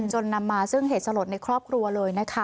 จนนำมาซึ่งเหตุสลดในครอบครัวเลยนะคะ